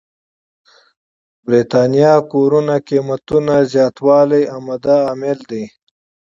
برېتانيا کورونو قېمتونو زياتوالی عمده عامل دی.